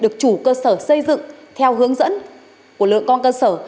các cơ sở xây dựng theo hướng dẫn của lượng con cơ sở